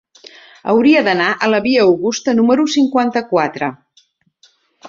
Hauria d'anar a la via Augusta número cinquanta-quatre.